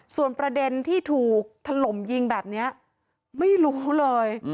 ส่วนประเด็นที่ถูกถล่มยิงแบบนี้ไม่รู้เลย